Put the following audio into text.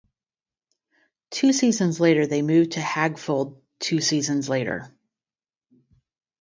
Two seasons later they moved to Hag Fold two seasons later.